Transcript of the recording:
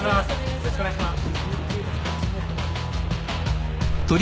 よろしくお願いします。